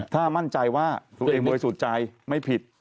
ถ้ามั่นใจว่าตัวเองโดยสูตรใจไม่ผิด